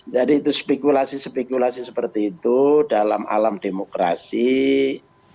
jadi itu spikulasi spikulasi seperti itu dalam alam demokrasi ya oke oke saja biasa biasa saja